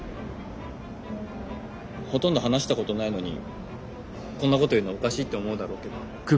ほとんど話したことないのにこんなこと言うのおかしいって思うだろうけど。